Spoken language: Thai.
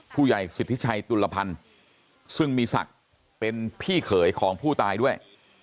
สิทธิชัยตุลพันธ์ซึ่งมีศักดิ์เป็นพี่เขยของผู้ตายด้วย